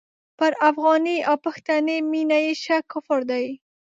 پر افغاني او پښتني مینه یې شک کفر دی.